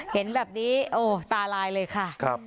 เห็นแบบนี้โอ้ตาลายเลยค่ะ